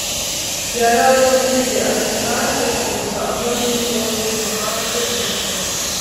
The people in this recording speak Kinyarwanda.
Yarababwiye ati, “Mwanze kuza aho ndi ngo muhabwe ubugingo.